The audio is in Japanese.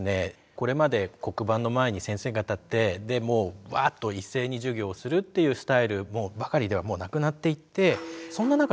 これまで黒板の前に先生が立ってもうワーッと一斉に授業をするっていうスタイルばかりではもうなくなっていって。